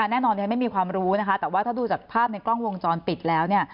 แน่นอนไม่มีความรู้แต่ว่าถ้าดูจากภาพในกล้องวงจรปิดแล้ว